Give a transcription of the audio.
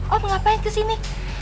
om ngapain kesini